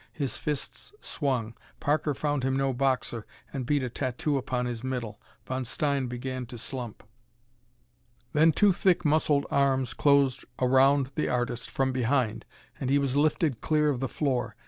His fists swung. Parker found him no boxer, and beat a tattoo upon his middle. Von Stein began to slump. Then two thick muscled arms closed around the artist from behind and he was lifted clear of the floor.